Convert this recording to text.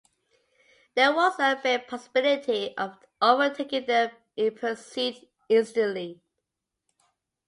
There was a bare possibility of overtaking them if pursued instantly.